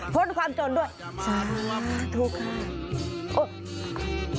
ความจนด้วยสาธุค่ะ